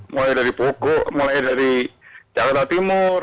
mulai dari pokok mulai dari jakarta timur